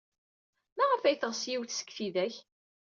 Maɣef ay teɣs yiwet seg tidak?